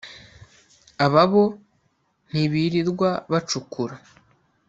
Aba bo ntibirirwa bacukura